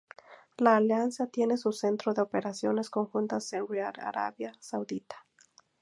La alianza tiene su centro de operaciones conjuntas en Riad, Arabia Saudita.